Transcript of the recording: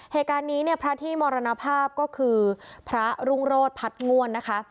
เหตุการณ์นี้เนี่ยพระที่มรณภาพก็คือพระรุ่งโรธพัดง่วนนะคะ